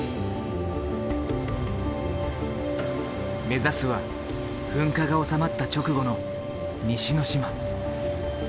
目指すは噴火が収まった直後の西之島。